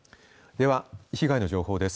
では、被害の情報です。